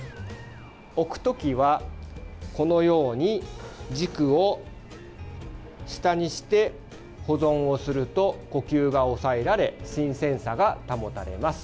置く時は、このように軸を下にして保存をすると呼吸が抑えられ新鮮さが保たれます。